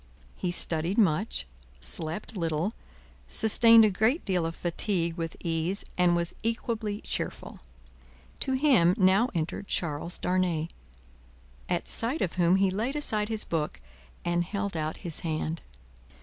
He studied much, slept little, sustained a great deal of fatigue with ease, and was equably cheerful. To him, now entered Charles Darnay, at sight of whom he laid aside his book and held out his hand.